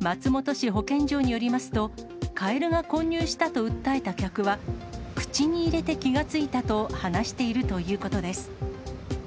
松本市保健所によりますと、カエルが混入したと訴えた客は、口に入れて気が付いたと話しているということです。